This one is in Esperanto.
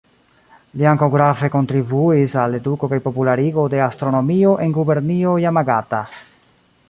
Li ankaŭ grave kontribuis al eduko kaj popularigo de astronomio en gubernio Jamagata.